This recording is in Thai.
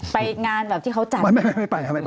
ไปงานแบบที่เขาจัดไม่ไป